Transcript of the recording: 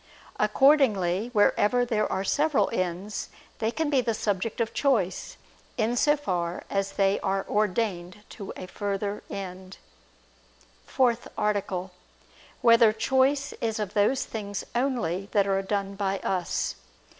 Accordingly wherever there are several ends, they can be the subject of choice, in so far as they are ordained to a further end. ________________________ FOURTH ARTICLE [I II, Q. 13, Art. 4] Whether Choice Is of Those Things Only That Are Done by Us?